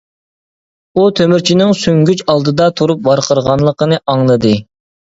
ئۇ تۆمۈرچىنىڭ سۈڭگۈچ ئالدىدا تۇرۇپ ۋارقىرىغانلىقىنى ئاڭلىدى.